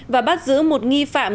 và bắt giữ một nghi phạm nổ